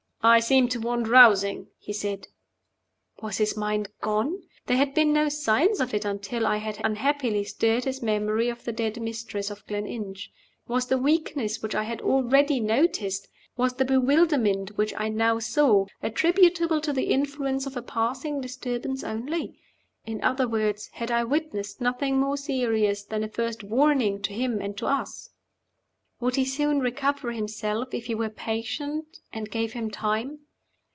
"I seem to want rousing," he said Was his mind gone? There had been no signs of it until I had unhappily stirred his memory of the dead mistress of Gleninch. Was the weakness which I had already noticed, was the bewilderment which I now saw, attributable to the influence of a passing disturbance only? In other words, had I witnessed nothing more serious than a first warning to him and to us? Would he soon recover himself, if we were patient, and gave him time?